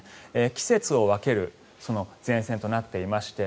季節を分ける前線となっていまして